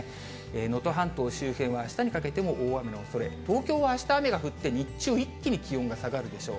能登半島周辺はあしたにかけても大雨のおそれ、東京はあした雨が降って日中、一気に気温が下がるでしょう。